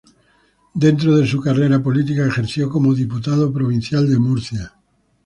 Dentro de su carrera política ejerció como diputado provincial de Murcia.